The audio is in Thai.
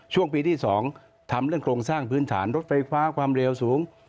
ช่วงปีที่๒ทำเรื่องโครงสร้างพื้นฐานรถไฟฟ้าความเร็วสูง